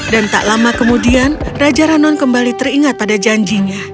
dan tak lama kemudian raja ranon kembali teringat pada janjinya